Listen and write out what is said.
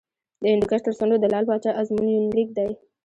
د هندوکش تر څنډو د لعل پاچا ازمون یونلیک دی